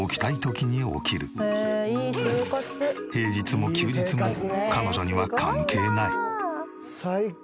平日も休日も彼女には関係ない。